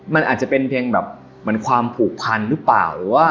มันอาจจะเป็นเพียงแบบความผูกพันหรือเปล่า